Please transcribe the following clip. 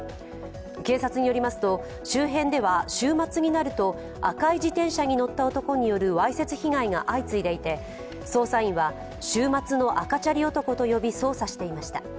警察によりますと、周辺では週末になると赤い自転車に乗った男によるわいせつ被害が相次いでいて、捜査員は週末の赤チャリ男と呼び捜査していました。